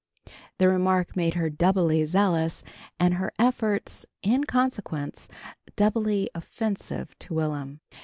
The remark made her doubly zealous and her efforts, in consequence, doubly offensive to Will'm.